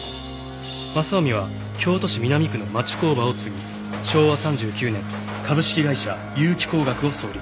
正臣は京都市南区の町工場を継ぎ昭和３９年株式会社結城光学を創立。